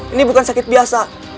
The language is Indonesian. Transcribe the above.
ini bukan sakit biasa